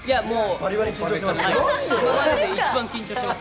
バリバリ緊張しています。